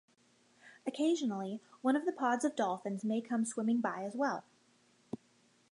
Occasionally one of the pods of dolphins may come swimming by as well.